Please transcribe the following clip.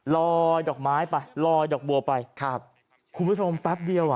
ลอยดอกไม้ไปลอยดอกบัวไปครับคุณผู้ชมแป๊บเดียวอ่ะ